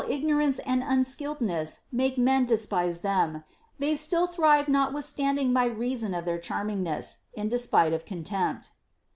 175 norance and unskilledness make men despise them, they still thrive notwithstanding by reason of their charming ness, in despite of contempt.